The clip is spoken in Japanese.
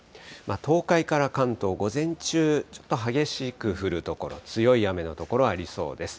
東海から関東、午前中、ちょっと激しく降る所、強い雨の所ありそうです。